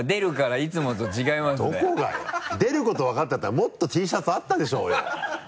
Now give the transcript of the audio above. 出ること分かってたらもっとＴシャツあったでしょうよ